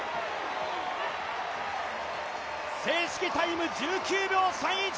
正式タイム１９秒３１。